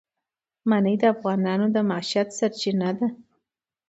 منی د افغانانو د معیشت سرچینه ده.